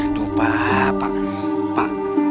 aduh pak pak pak